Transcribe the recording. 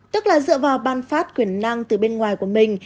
tức là dựa vào ban phát quyền năng từ bên ngoài của mình